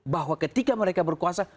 bahwa ketika mereka berkuasa